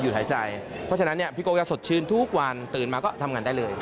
หายใจเพราะฉะนั้นเนี่ยพี่โก้จะสดชื่นทุกวันตื่นมาก็ทำงานได้เลย